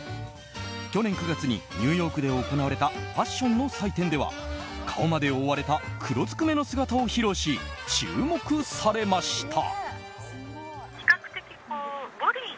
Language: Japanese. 去年９月にニューヨークで行われたファッションの祭典では顔まで覆われた黒ずくめの姿を披露し注目されました。